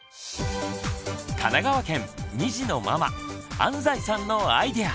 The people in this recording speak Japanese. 神奈川県２児のママ安齋さんのアイデア！